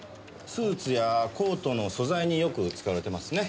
スーツやコートの素材によく使われてますね。